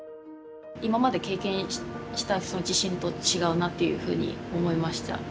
今まで経験した地震と違うなっていうふうに思いました。